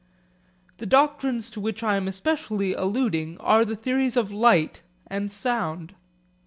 The doctrines to which I am especially alluding are the theories of light and sound.